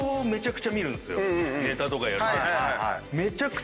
ネタとかやるとき。